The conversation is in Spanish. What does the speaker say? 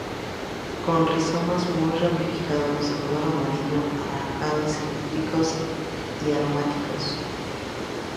Con rizomas muy ramificados, de color amarillo a naranja, cilíndricos y aromáticos.